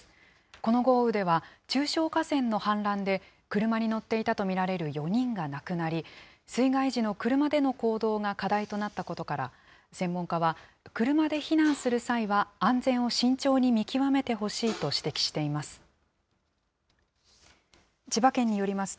この豪雨では、中小河川の氾濫で車に乗っていたと見られる４人が亡くなり、水害時の車での行動が課題となったことから、専門家は、車で避難する際は、安全を慎重に見極めてほしいと指摘しています。